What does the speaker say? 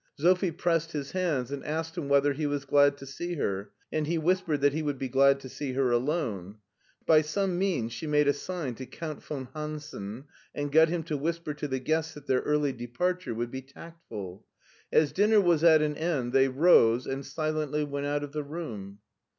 Sophie pressed his hands, and asked him whether he was glad to see her, and he whispered that he would be glad to see her alone. By some means she made a sign to Count von Hansen, and got him to whisper to the guests that their early departure would be tactful. As dinner was at an end, they rose and silently went out of the room.